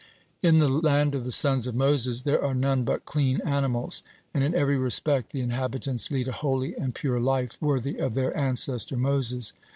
In the land of the Sons of Moses there are none but clean animals, and in every respect the inhabitants lead a holy and pure life, worthy of their ancestor Moses.